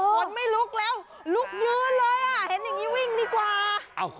คนไม่ลุกแล้วลุกยืนเลยอ่ะเห็นอย่างนี้วิ่งดีกว่า